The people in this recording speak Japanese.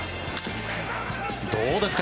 どうですか？